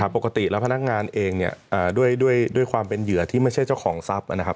ปกติแล้วพนักงานเองเนี่ยด้วยความเป็นเหยื่อที่ไม่ใช่เจ้าของทรัพย์นะครับ